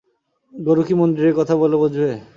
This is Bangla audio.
গরু কী মন্দিরের কথা বললে বুঝবে?